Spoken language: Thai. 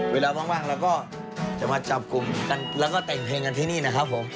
เวลาว่างเราก็จะมาจับกลุ่มกันแล้วก็แต่งเพลงกันที่นี่นะครับผม